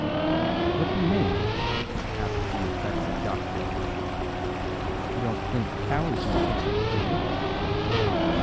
"What do you mean?" asked the inspector jocularly. "You don't think cows use hammers, do you?"